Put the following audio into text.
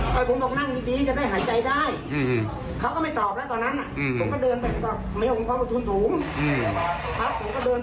แล้วผมบอกนั่งดีจะได้หายใจได้เขาก็ไม่ตอบแล้วตอนนั้นผมก็เดินไปก็ไม่มีความว่าทุนสูง